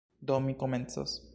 Do, mi komencos.